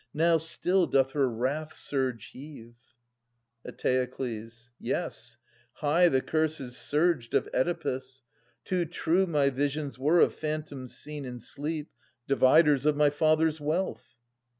Now still doth her wrath surge heave. Eteokles. Yea, high the curses surged of Oedipus. Too true my visions were of phantoms seen 710 In sleep, dividers of my father's wealth.